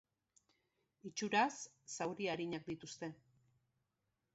Itxuraz, zauri arinak dituzte.